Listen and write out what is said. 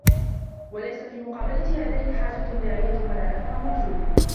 وَلَيْسَ فِي مُقَابَلَةِ هَذَيْنِ حَاجَةٌ دَاعِيَةٌ وَلَا نَفْعٌ مَرْجُوٌّ